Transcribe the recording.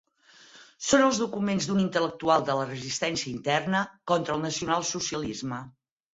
Són els documents d'un intel·lectual de la resistència interna contra el nacionalsocialisme.